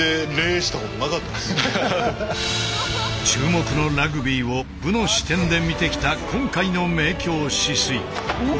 注目のラグビーを武の視点で見てきた今回の「明鏡止水」。